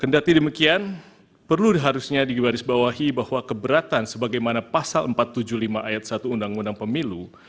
kendati demikian perlu harusnya digarisbawahi bahwa keberatan sebagaimana pasal empat ratus tujuh puluh lima ayat satu undang undang pemilu